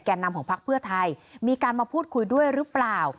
นำของพักเพื่อไทยมีการมาพูดคุยด้วยหรือเปล่า